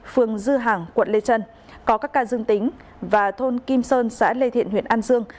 phường dư hàng quận lê trân có các ca dương tính và thôn kim sơn xã lê thiện huyện an dương